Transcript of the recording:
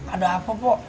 ada apa pak